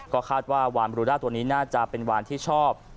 ก็คาดว่าวานบรูด้าตัวนี้น่าจะเป็นวานที่ชอบ